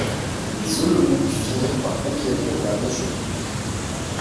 Les Olomouc finirent par conquérir la région.